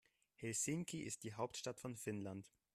Helsinki ist die Hauptstadt von Finnland.